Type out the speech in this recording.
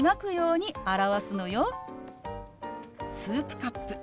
「スープカップ」。